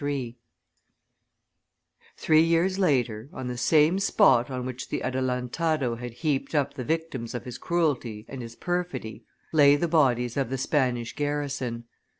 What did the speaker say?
Three years later, on the same spot on which the adelantado had heaped up the victims of his cruelty and his perfidy lay the bodies of the Spanish garrison.